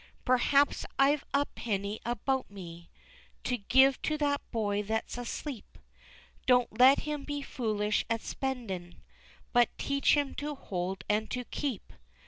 Perhaps I've a penny about me To give to that boy that's asleep, Don't let him be foolish at spendin', But teach him to hold and to keep.